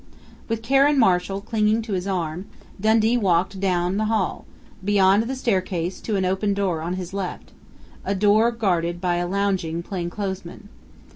With Karen Marshall clinging to his arm, Dundee walked down the hall, beyond the staircase to an open door on his left a door guarded by a lounging plainclothesman.